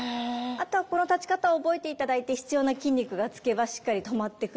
あとはこの立ち方を覚えて頂いて必要な筋肉がつけばしっかり止まってくるので。